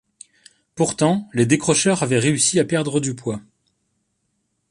Pourtant les décrocheurs avaient réussi à perdre du poids.